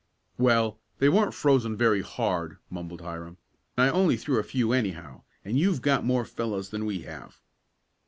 "Well, they weren't frozen very hard," mumbled Hiram. "I only threw a few, anyhow, and you've got more fellows than we have."